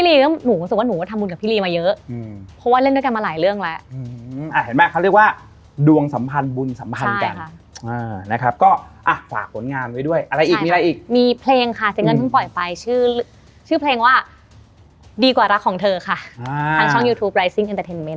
รีไม่เจอหนูว่าเจอเพราะหนูไปทุกคิวไงเสมงว่าไม่ว่าจะเผียบ